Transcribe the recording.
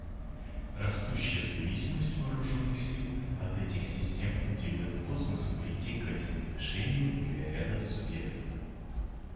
Растущая зависимость вооруженных сил от этих систем делает космос притягательной мишенью для ряда субъектов.